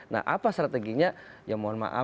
nah apa strateginya ya mohon maaf